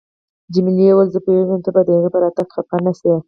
جميلې وويل: زه پوهیږم ته به د هغې په راتګ خفه نه شې.